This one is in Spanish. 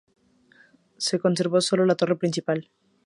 Se conservó sólo la torre principal.